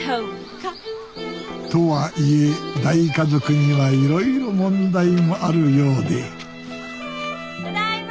とはいえ大家族にはいろいろ問題もあるようでただいま！